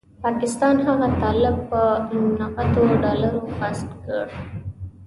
پاکستان هغه طالب په نغدو ډالرو خرڅ کړ.